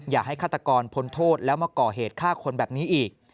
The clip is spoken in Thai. อย่าให้ฆาตกรพ้นโทษแล้วมาก่อเหตุฆ่าคนแบบนี้อีก